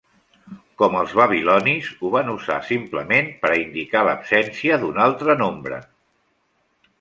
Com els babilonis, ho van usar simplement per a indicar l'absència d'un altre nombre.